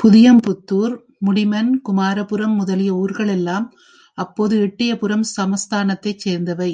புதியம்புத்துார், முடிமன், குமாரபுரம் முதலிய ஊர்களெல்லாம் அப்போது எட்டையபுரம் சமஸ்தானத்தைச் சேர்ந்தவை.